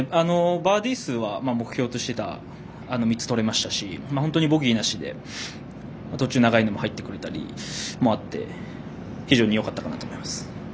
バーディー数は目標としていた３つとれましたし本当にボギーなしで途中、長いのも入ってくれたのもあって非常によかったかなと思います。